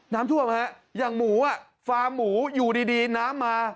น้ำท่วมฮะอย่างหมูอ่ะฟาร์มหมูอยู่ดีน้ำมา